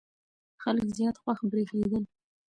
خلک زیات خوښ برېښېدل.